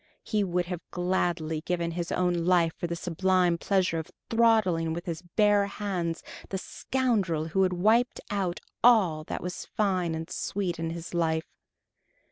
He would have gladly given his own life for the sublime pleasure of throttling with his bare hands the scoundrel who had wiped out all that was fine and sweet in his life.